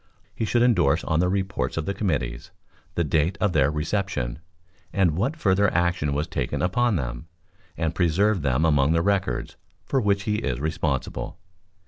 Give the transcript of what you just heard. He should endorse on the reports of committees, the date of their reception, and what further action was taken upon them, and preserve them among the records, for which he is responsible.